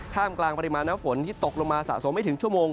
กลางปริมาณน้ำฝนที่ตกลงมาสะสมไม่ถึงชั่วโมง